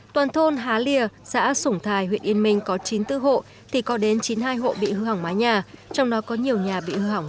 toàn thôn há lìa xã sủng thài huyện yên minh có chín tư hộ thì có đến chín mươi hai hộ bị hư hỏng mái nhà trong đó có nhiều nhà bị hư hỏng một trăm linh